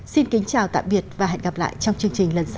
xin kính chào tạm biệt và hẹn gặp lại trong chương trình lần sau